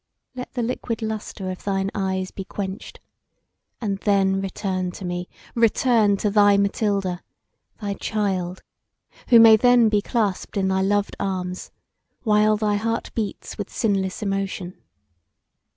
Let the liquid lustre of thine eyes be quenched; and then return to me, return to thy Mathilda, thy child, who may then be clasped in thy loved arms, while thy heart beats with sinless emotion.